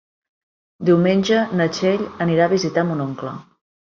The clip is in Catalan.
Diumenge na Txell anirà a visitar mon oncle.